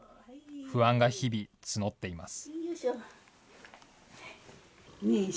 不安が日々、募っています。